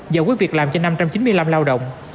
giải quyết việc làm cho năm trăm chín mươi năm lao động